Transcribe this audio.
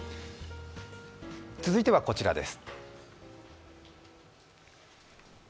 続いてはこちらです。